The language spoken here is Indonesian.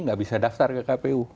nggak bisa daftar ke kpu